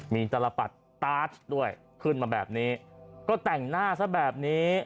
มีตลปัดตาร์ทด้วยขึ้นมาแบบนี้ก็แต่งหน้าซะแบบนี้